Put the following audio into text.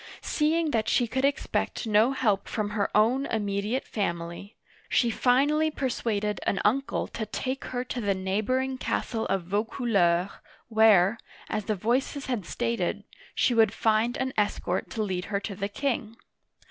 Seeing that she could expect no help from her own immediate family, she finally persuaded an uncle to take her to the neighboring castle of Vaucouleurs (vo coo ler'), where, as the voices had stated, she would find an escort to lead her to the king.